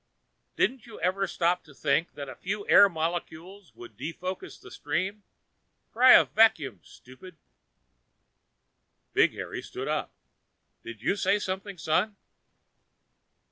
"Didn't you ever stop to think that a few air molecules could defocus the stream? Try a vacuum, stupid." Big Harry stood up. "Did you say something, son?"